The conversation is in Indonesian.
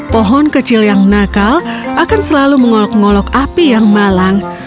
pohon kecil yang nakal akan selalu mengolok ngolok api yang malang